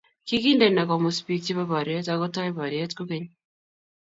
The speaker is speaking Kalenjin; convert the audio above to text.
kikindene komos biik chebo boryet akutou boriet kukeny.